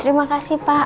terima kasih pak